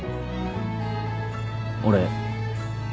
俺。